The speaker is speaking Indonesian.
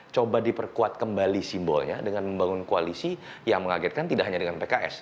coba diperkuat kembali simbolnya dengan membangun koalisi yang mengagetkan tidak hanya dengan pks